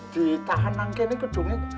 ditahan nangke ini kedungin